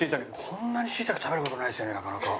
こんなに椎茸食べる事ないですよねなかなか。